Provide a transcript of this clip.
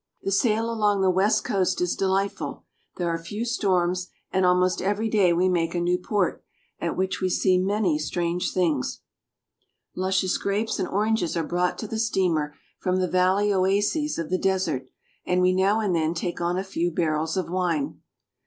The sail along the west coast is delightful. There are few storms, and almost every day we make a new port, at which we see many strange things. Luscious grapes and oranges are brought to the steamer from the valley oases of the desert, and we now and then take on a few barrels of wine.